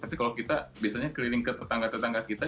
tapi kalau kita biasanya keliling ke tetangga tetangga kita